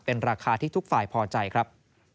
เป็นราคาที่ทุกฝ่ายพอใจครับ